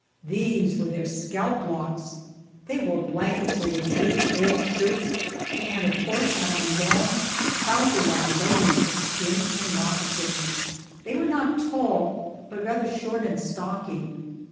These were their scalp locks. They wore blankets over dirty old shirts, and of course had on long, trouserlike leggings of skin and moccasins. They were not tall, but rather short and stocky.